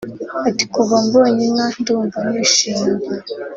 Ati “kuva mbonye inka ndumva nishimye cyane